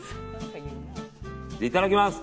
いただきます。